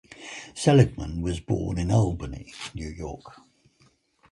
Seligman was born in Albany, New York.